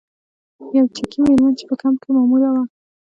یوه چکي میرمن چې په کمپ کې ماموره وه.